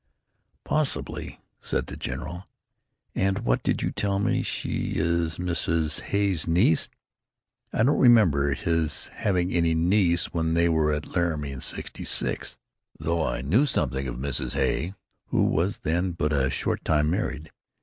"Possibly," said the general. "And what did you tell me she is Mrs. Hay's niece? I don't remember his having any niece when they were at Laramie in '66, though I knew something of Mrs. Hay, who was then but a short time married.